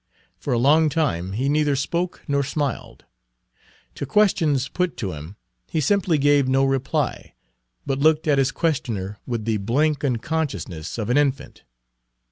For a long time he neither spoke nor smiled. To questions put to him he simply gave no reply, but looked at his questioner with the blank unconsciousness of an infant.